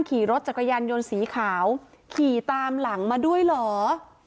ขี่รถจักรยานยนต์สีขาวขี่ตามหลังมาด้วยเหรอ